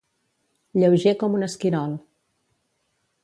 Lleuger com un esquirol.